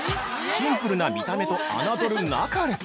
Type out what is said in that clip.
◆シンプルな見た目と侮るなかれ。